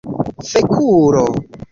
fekulo